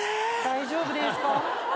大丈夫ですか？